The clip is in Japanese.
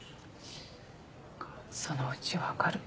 そのうち分かる。